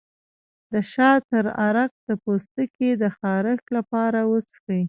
د شاه تره عرق د پوستکي د خارښ لپاره وڅښئ